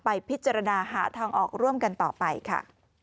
ไปพิจารณาหาทางออกร่วมกันต่อไปค่ะ